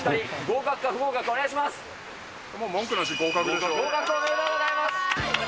合格、おめでとうございます。